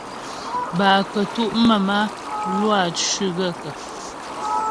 Bə́ a kətʉ' mə̀m a, Lwâ cʉ́ gaə̂kə́ ?